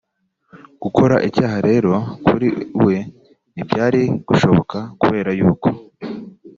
Gukora icyaha rero kuri we ntibyari gushoboka kubera yuko